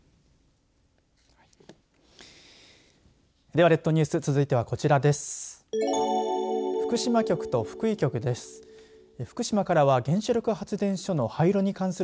では、列島ニュース続いてはこちらです。